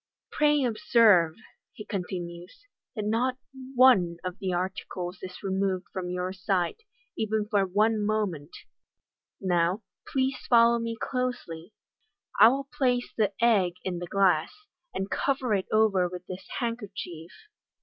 " Pray observe," he continues, " that not one of the articles is removed from your sight, even for one moment. Now, please follow me closely. I will place the egg in the glass, and cover it over with this handkerchief."